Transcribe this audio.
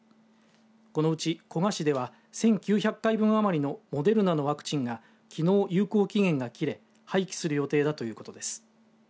このうち、古河市では１９００回余りのモデルナのワクチンがきのう有効期限が切れ廃棄する予定だということです。